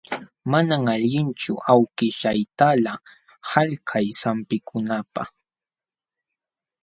Manam allinchu awkishyaytalaq qalkay sampikunapaq.